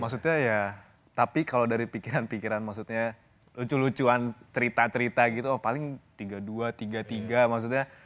maksudnya ya tapi kalau dari pikiran pikiran maksudnya lucu lucuan cerita cerita gitu oh paling tiga puluh dua tiga tiga maksudnya